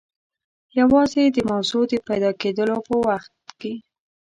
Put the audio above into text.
یوازې د موضوع د پیدا کېدلو په وخت کې.